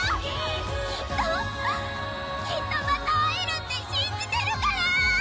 きっときっとまた会えるって信じてるから！